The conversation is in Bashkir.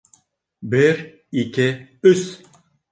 Бер... ике... өс!